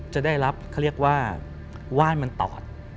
จะได้รับเขาเรียกว่าว่านมันตอด